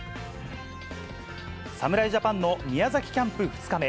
侍ジャパンの宮崎キャンプ２日目。